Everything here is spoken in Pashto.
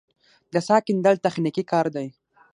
د څاه کیندل تخنیکي کار دی